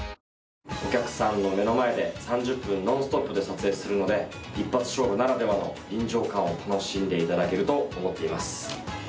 お客さんの目の前で３０分ノンストップで撮影するので一発勝負ならではの臨場感を楽しんで頂けると思っています。